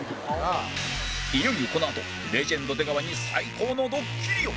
いよいよこのあとレジェンド出川に最高のドッキリを！